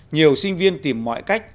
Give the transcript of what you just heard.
nhiều sinh viên tìm mọi cách